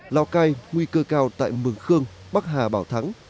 lào cai nguy cơ cao tại mường khương bắc hà bảo thắng